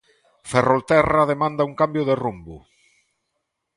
Ferrolterra demanda un cambio de rumbo.